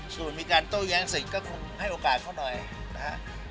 ส่วนมีการโต้แย้งสิทธิ์ก็คงให้โอกาสเขาหน่อยนะฮะ